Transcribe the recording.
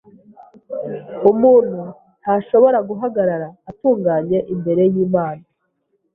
Umuntu ntashobora guhagarara atunganye imbere y’Imana,